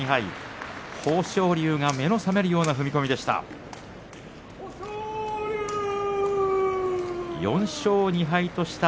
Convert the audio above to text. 豊昇龍は目の覚めるような踏み込みでした。